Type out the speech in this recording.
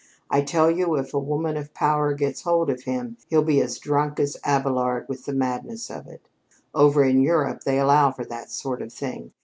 I tell you, if a woman of power gets hold of him, he'll be as drunk as Abélard with the madness of it. Over in Europe they allow for that sort of thing.